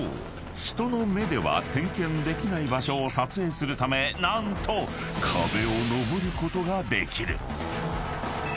人の目では点検できない場所を撮影するため何と壁を登ることができる］